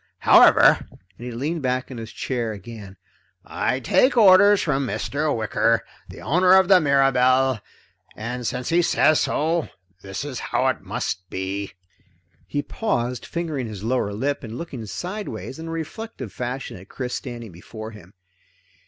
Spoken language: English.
However," and he leaned back in his chair again, "I take orders from Mr. Wicker, the owner of the Mirabelle, and since he says so, this is how it must be." He paused, fingering his lower lip and looking sideways in a reflective fashion at Chris standing before him.